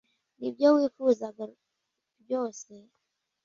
Nibyo wifuzaga ryose?